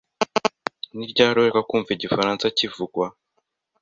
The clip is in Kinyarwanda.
Ni ryari uheruka kumva igifaransa kivugwa?